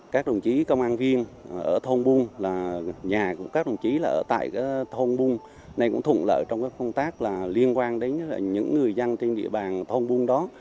các đồng chí công an viên ở thôn buôn nhà của các đồng chí ở tại thôn buôn này cũng thụng lợi trong công tác liên quan đến những người dân trên địa bàn thôn buôn đó